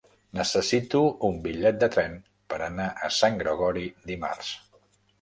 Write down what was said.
Necessito un bitllet de tren per anar a Sant Gregori dimarts.